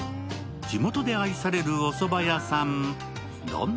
地元で愛されるおそば屋さん。